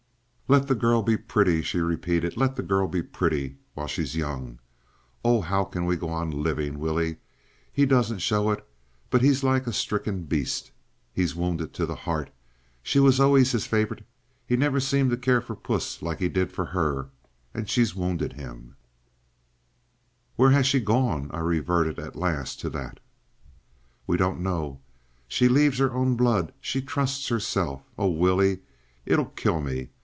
"Let the girl be pretty," she repeated; "let the girl be pretty while she's young. ... Oh! how can we go on living, Willie? He doesn't show it, but he's like a stricken beast. He's wounded to the heart. She was always his favorite. He never seemed to care for Puss like he did for her. And she's wounded him—" "Where has she gone?" I reverted at last to that. "We don't know. She leaves her own blood, she trusts herself— Oh, Willie, it'll kill me!